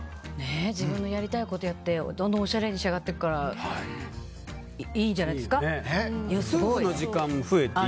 自分のやりたいことをやってどんどん、おしゃれに仕上がっていくからいいじゃないですか。